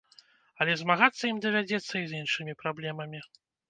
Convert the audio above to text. Але змагацца ім давядзецца і з іншымі праблемамі.